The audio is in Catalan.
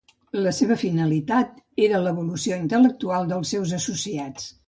La seva finalitat era l'evolució intel·lectual dels seus associats.